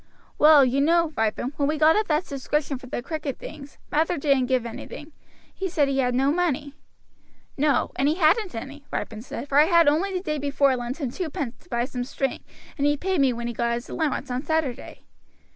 "Well, you know, Ripon, when we got up that subscription for the cricket things, Mather didn't give anything. He said he had no money." "No; and he hadn't any," Ripon said, "for I had only the day before lent him twopence to buy some string, and he paid me when he got his allowance on Saturday."